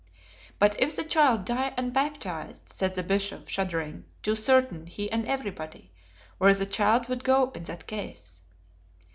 "But if the child die unbaptized," said the Bishop, shuddering; too certain, he and everybody, where the child would go in that case!